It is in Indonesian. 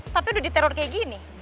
tapi udah diteror kayak gini